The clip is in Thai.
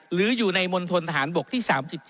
หรืออยู่ในมณฑนทหารบกที่๓๗